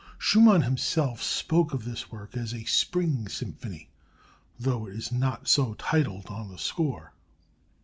_") Schumann himself spoke of this work as "a Spring symphony," though it is not so titled on the score.